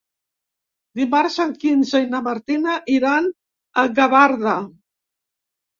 Dimarts en Quirze i na Martina iran a Gavarda.